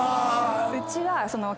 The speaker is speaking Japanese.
うちは。